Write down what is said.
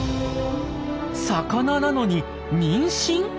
魚なのに妊娠！？